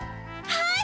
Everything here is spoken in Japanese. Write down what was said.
はい！